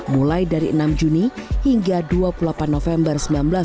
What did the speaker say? mulai dari enam juni hingga dua puluh delapan november seribu sembilan ratus empat puluh